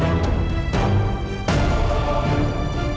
ayo kita pergi ke tempat yang lebih baik